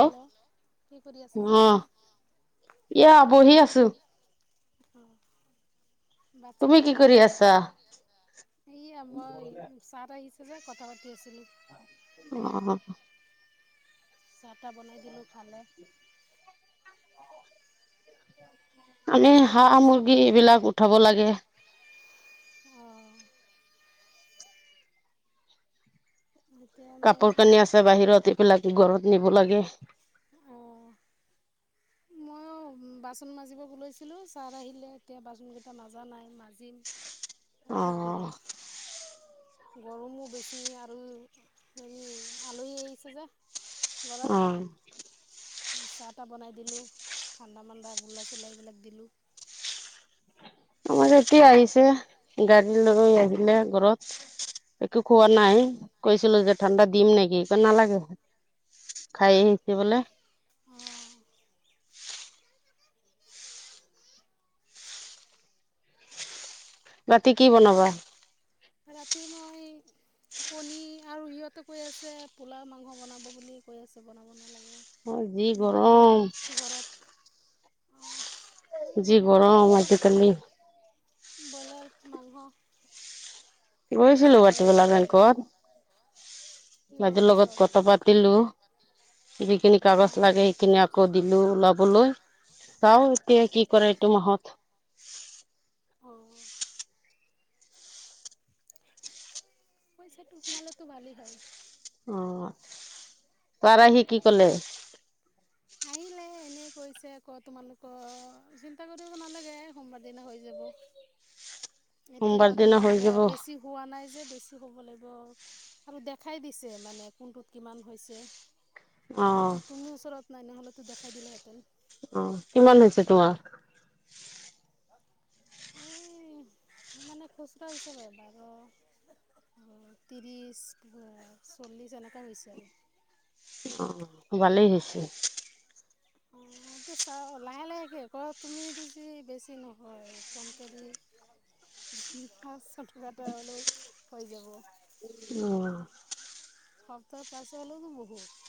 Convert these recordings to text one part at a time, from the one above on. Hello কি কৰি আছা? অ এয়া বহি আছোঁ। [inaudible] ভাত চাত কি খালা? কৰি আছা এইয়া মই [unintelligible] [unintelligible] কথা পাতি আছিলোঁ। অ'! চাহ তাহ বনাই দিলোঁ খালে। মানে, তুমি কি হাঁহ, কৰিছা মুৰ্গী এইবিলাক উঠাব লাগে। অ'! এতিয়া মই কাপোৰ কানি আছে বাহিৰত, এইবিলাক ঘৰত নিব লাগে। অঁ উম! বাচন মাজিব লৈছিলোঁ, ছাৰ আহিলে। এতিয়া বাচন কেইটা মাজা নাই, মাজ অ [unintelligible] কি কৰিম? গৰমো বেছি আৰু হেৰি, আলহী আহিছে যে। ঘৰত অ'! চাহ তাহ বনাই দিলোঁ। ঠাণ্ডা, মাণ্ডা গোল্লা চোল্লা এইবিলাক দিলোঁ। আমাৰ ইতিয়া আহিছে, গাড়ী লৈ আহিলে ঘৰত। একো খোৱা নাই। অঁ কৈছিলো যে, ঠাণ্ডা দিম নেকি? নালাগে। খায় আহিছে বোলে। অঁ ৰাতি কি বনাবা? ৰাতি মই, কণী আৰু ইহঁতে কৈ আছে, পোলাও মাংস বনাব বুলি কৈ আছে বনাব নালাগে। অ'! যি মৰম গৰম। ঘৰত অঁ যি, ব্ৰইলাৰ মুৰ্গী গৰম আনিব আজিকালি। ব্ৰইলাৰ মাংস। কৈ আছে গৈছিলোঁ আনি [unintelligible] পোলাও বনাব বেংকত। কি হ'ল ভাইটিৰ লগত পিছত কথা পাতিলোঁ। যিখিনি কাগজ অঁ লাগে, সেইখিনি আকৌ দিলোঁ। অলপ বোলো চাওঁ, এতিয়া কি কৰে এইটো মাহত। অঁ পইচাটো সোমালেতো ভালেই হয়। অ। তাৰ সি কি কলে? হাঁহি এ এনেই কৈছে আকৌ তোমালোকৰ চিন্তা কৰিব নালাগে সোমবাৰ দিনা হৈ যাব। সোমবাৰ এতিয়া দিনা হৈ মানে যাব বেছি হোৱা নাই যে বেছি হ'ব লাগিব। আৰু দেখাই দিছে মানে কোনটোত কিমান হৈছে। অ এতিয়া তুমি ওচৰত নাই নহ'লে তোক দেখাই দিলেহেঁতেন। অ কিমান হৈছে তোমাৰ এ মানে খুচুৰা হিচাবে পায় ক ত্ৰিছ চল্লিছ এনেকুৱা হৈছে আৰু। অ ভালেই হৈছে। [inaudible] চে লাহে লাহেকে কৰ তুমি দো যি বেছি নহয় কমকৈ দি পাঁচশ টকা এটা হ'লেও হৈ যাব উ সপ্তাহৰ পাছ হলেতো বহুত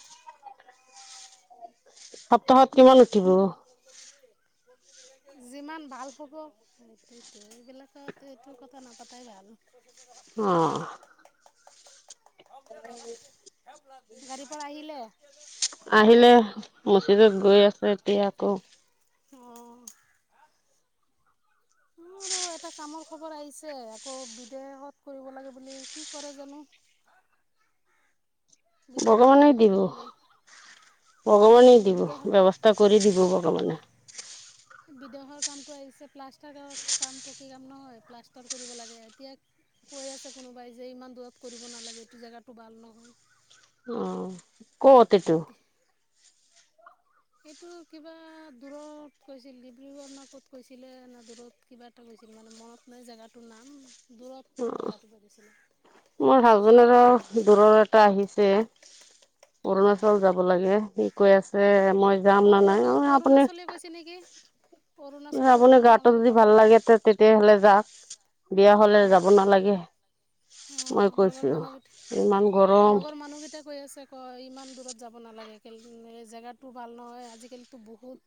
সপ্তাহত কিমান উঠিব? [inaudible] যিমান ভাল হ'ব সেইটো এইবিলাকত এইটো কথা নাপাতাই ভাল অঁ। [unintelligible] গাড়ী পৰা আহিলে আহিলে মছজিদত গৈ আছে এতিয়া আকৌ অ মোৰো [unintelligible] এটা কামৰ খবৰ আহিছে আকৌ বিদেশত কৰিব লাগে বুলি কি কৰে জানো। [inaudible] বিদেশত কাম টো কৰে নে নাই। ভগৱানে দিব, বিদেশ ব্যৱস্থা কৰি দিব ভগৱানে। বিদেশৰ কামটো আহিছে প্লাষ্টাৰ কাম পকী কাম নহয় প্লাষ্টাৰ কৰিব লাগে এতিয়া কৈ আছে কোনোবাই যে ইমান দূৰত কৰিব নালাগে এইটো জেগাটো ভাল নহয়। উম, কত এইটো? এতিয়া এইটো কিবা দূৰত কৈছিল ডিব্ৰুগড় না ক'ত কৈছিলে ন দূৰত কিবা এটা। ছিল মানে মনত নাই জেগাটো নাম দূৰত অ কথাটো পাতিছিলে মোৰ হাজবেণ্ডৰ দূৰৰ, এ আহিছে অৰুণাচল যাব লাগে সি কৈ আছে। মই যাম অ নে নাই অৰু অৰুণাচল গৈছে নেকি? যাবলে গাটো আমাৰো যদি কামৰ ভাল কাৰণে লাগে তে তেতিয়াহ'লে যাম। বিয়া হলে যাব নালাগে। অ মই লগৰ কৈছো মানুহকেইটা, ইমান গৰম লগৰ মানুহকেইটাই কৈ আছে ক ইমান দূৰত যাব নালাগে জেগাটো ভাল নহয়। আজিকালিতো বহুত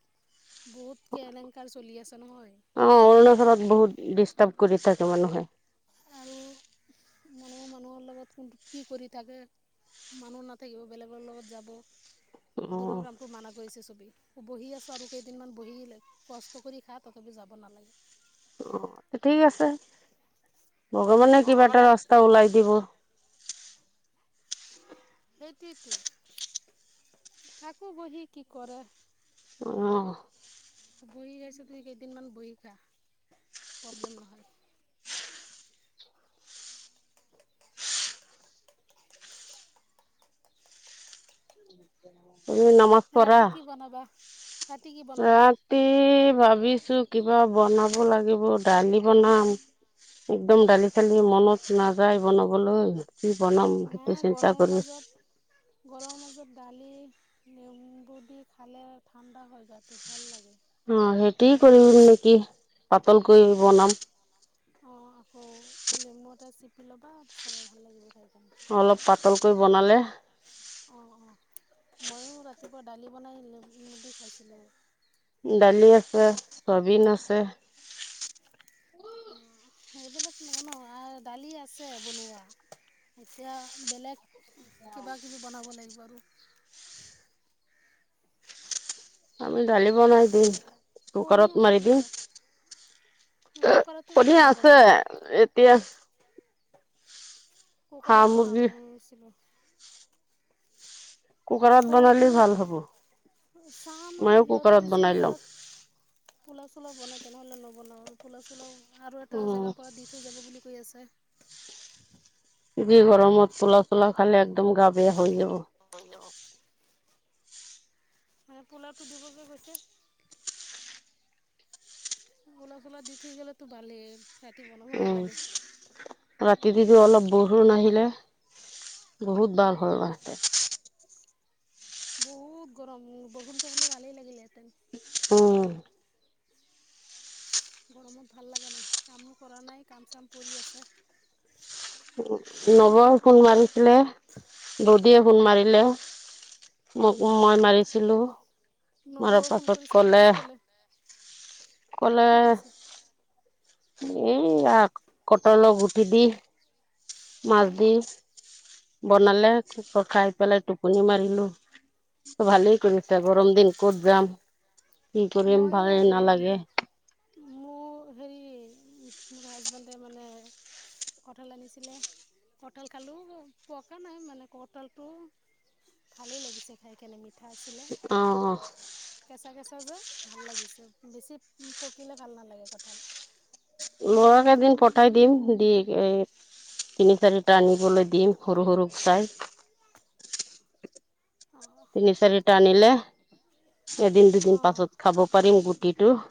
বহুত কেলেংকাৰ চলি আছে। নহয় অ অৰুণাচলত বহুত ডিষ্টাৰ্ব কৰি থাকে মানুহে আৰু মানুহৰ মানুহৰ লগত কোনটো কি কৰি থাকে। মানুহ নাথাকিব বেলেগৰ লগত যাব। অ দূৰৰ কামটো মানা কৰিছে চবেই বহি আছো আৰু কেইদিনমান বহি কষ্ট কৰি খা তথাপি যাব নালাগে অ, ঠিকেই আছে। ভগৱানে কিবা এটা ৰাস্তা ওলাই দিব। সেইটোৱেতো থাকো বহি কি কৰে। আহ। [unintelligible] কেইদিনমান বহিকা প্ৰব্লেম নহয়। তুনমস্ পৰা ৰাতি কি বনাবা ৰাতি কি বনাবা ৰাতি ভাবিছো। কিবা বনাব লাগিব দালি বনাম। একদম দালি চালি মনত নাযায় বনাবলৈ। কি বনাম নাই সেইটোয়া চিন্তা গৰমৰ কৰি মাজত গৰমৰ মাজত দালি নেমবো দি খালে ঠাণ্ডা হৈ যোৱাটো ভাল লাগে। অ, সেইটো কৰিম অঁ নেকি, পাতল কৰি বনাম। অ, আকৌ নেমু এটা চিপি লবা, চৰবত ভাল লাগিব খাই। কিনে অলপ পাতলকৈ বনালে। অ'-অ', ময়ো ৰাতিপুৱা দালি বনাইদি [unintelligible] খাইছিলো। দালি আছে, ছায়াবিন আছে। এইবিলাক ন-ন আৰু দালি আছে বনোৱা। এতিয়া বেলেগ কিবা-কিবি বনাব লাগিব আৰু। আমি দালি বনাই দিম কণী কুকাৰত আছে মাৰি দিম। ঘৰত কুকাৰতো মই ক'তহে দালি আছে বনাওঁ এতিয়া? হাঁহ কুকাৰত মুৰ্গী বনামছিলো। কুকাৰত আকৌ বনালে কিবা ভাল হ'ব, চাম মইয়ো কুকাৰত বনাই লম। পোলাও-চোলাও বনাই তেনেহ'লে অ', পোলাও-চোলাও আৰু এটা উম, জোগাৰ পৰা দি থৈ যাব বুলি কৈ আছে। যি গৰমত পোলাও-চোলাও খালে একদম গা বেয়া হৈ যাব। হয় ন। মানে পোলাটো দিৱ যে কৈছে। পোলাও-চোলাও দি থৈ গলেতো ভালেই, ৰাতি বনাব উম, নালাগে। ৰাতি দি যে অলপ বৰষুণ আহিলে। বহুত ভাল হয় গাহতে। বহুত গৰম, উম' বৰষুণটো হ'লে ভালেই লাগিলেহেঁতেন। উম'। গৰমত ভাল লাগা নাই কামো কৰা নাই, কাম-চাম পৰি আছে। নৱই ফুনমাৰিছিলে ব দিয়ে ফোণ মাৰিলে, মোক মই মাৰিছিলো। নবৌ মাৰাৰ ফোন পাছত কৰিছিলে, কি ক'লে? কি কৈছে? এই কটলৰ গু দিদি, অঁ মাজদি। বনালে, খাই পেলাই টোপনি মাৰিলো। ভালে কৰিছা গৰম দিন ক'ত যাম। কি কৰিম ময়ো ভালে নালাগে। মোৰ হেৰি মোৰ হাজবেণ্ডে মানে কঁঠাল আনিছিলে, কঁঠাল খালোও, পকা নাই মানে কঁঠালটো। ভালেই লাগিছে খাই কেনে মিঠা আছিলে, অ', কেঁচা-কেঁচা যে। ভাল লাগিছে, বেছি পকিলে ভাল নালাগে কঁঠাল। লৰাক এদিন পঠাই দিম দি, দি এহ তিনি-চাৰিটা আনিবলৈ দিম, সৰু সৰুক চাই। [inaudible] অ', তিনি-চাৰিটা আনিলে এদিন দুদিন অ', পাছত খাব পাৰিম গোট কিটো [unintelligible]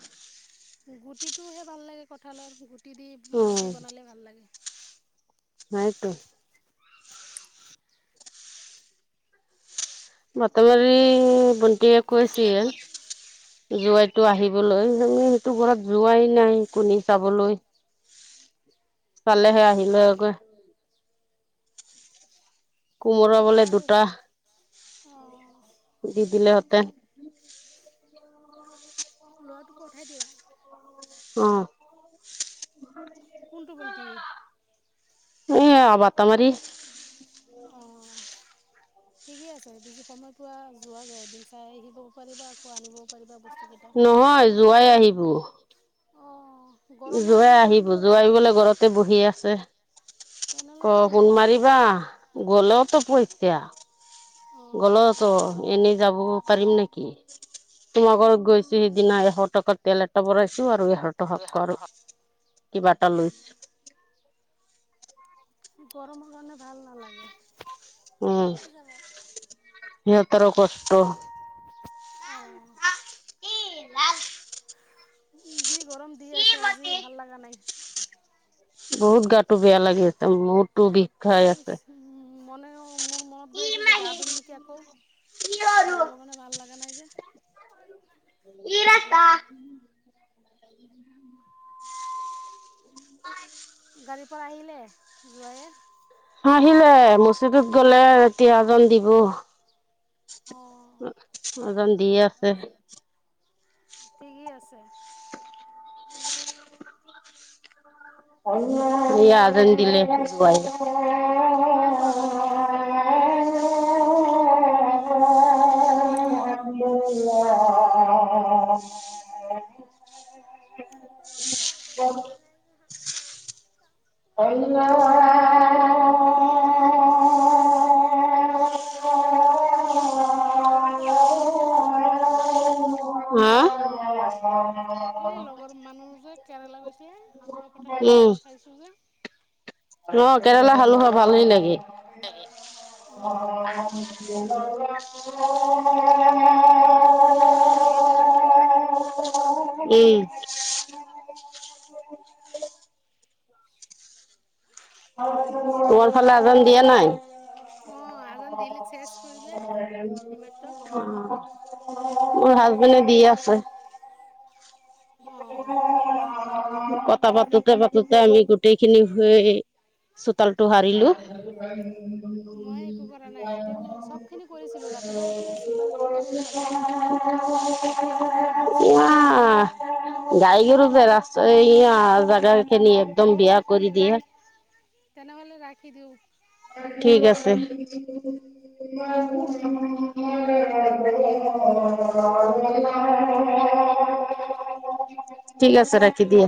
গুটিটোহে ভাল লাগে কঠালৰ, গুটি দি মাছ উম। দি বনালে ভাল লাগে। নাইতো। বাতমাৰি বন্তীয়ে এতিয়া কৈছিল। যোৱাইটো আহিবলৈ আমি হেতু ঘৰত যোৱাই নাই কোনে চাবলৈ। কালে সে আহিলে [unintelligible] কোমৰা বোলে কঁঠাল দুটা, অ', দি দিলে। তে ল'ৰাটোক পঠাই দিবা। অ'হ কোনটো ভণ্টি? এইয়া বাতামাৰী। অ', [inaudible] ঠিকে আছে দিজি সময় পোৱা যোৱাগে এদিন চাই আহিবও পাৰিবা আকৌ আনিবও পাৰিবা বস্তু। নহয় যোৱাই আহিব। অ', গৰমো জোৱাই গৰম আহিব। জোৱাই বুলে ঘৰতে বহি আছে। ক তেনেহ'লেতো ফোন আহিবই পাৰে মাৰিবা গল তো পইতা। অ'। গলে তো এনেই যাব পাৰিম নেকি? তোমাৰ ঘৰত গৈছো সিদিনা, এশ টকাৰ তেল এটা ভৰাইছো। আৰু এ ঘৰত হক কৰ, কিবা এটা লৈছো। গৰমৰ কাৰণে ভাল নালাগে। উম, সিহঁতৰো কষ্ট। অ'। এল [unintelligible] যি গৰম দি আছে আজি ভাল লগা নাই। বহুত গাটো বেয়া লাগি আছে। মূৰটো বিষাই আছে। মনেও মোৰ মনত গৈ আছে যে গা ধুম নেকি আকৌ গৰমৰ কাৰণে ভাল লগা নাই যে। [inaudible] কি ৰা্তা? গাড়ীৰ পৰা আহিলে, জোৱাইএ? আহিলে, মছজিদত গ'লে আৰু তিয়া জল দিব। অঁ এজন দিয়ে আছে। ঠিক আছে। [unintelligible] এয়া আজান দিলে [unintelligible] আমাৰতো আজান দি আছে। [inaudible] [inaudible] [unintelligible] কি ম প্ৰথম। [unintelligible] অলল [unintelligible] উ চাৰৰ পৰা হালোৱা পঠাইছিলে হালোৱা খালো। সেই লগৰ মানুহ যে কেৰেলা গৈছে আৰু। কথালে উম হালোৱা খাইছো যে। অ কেৰেলা খালহোৱা ভাল ন লাগে। উম, [unintelligible] [unintelligible] মুখত লাগি থাকে। উম। তোমাৰ ফালে এজন দিয়া নাই। অ। এইমাত্ৰ মোৰ হাজবেণ্ডে দি আছে। অঁ অ [unintelligible] পাতোতে পাতোতে আমি গোটেই খিনি হৈ চোতালটো সাৰিলো। উম উম মই একো কৰা নাই এতিয়া মই চব খিনি কৰিছিলো ৰাতিপুৱা উঠি চোতাল তোতাল সাৰিলো এতিয়া মই বাচন কেইটা ইয়া মাজিব লাগিব গাই গৰু যে ৰাস জেগা খিনি একদম বিয়া কৰি দিয়ে তেনে হলে ৰাখি দওঁ [unintelligible] ঠিক আছে [unintelligible] হ'ব [inaudible] ঠিক আছে ৰাখি দিয়া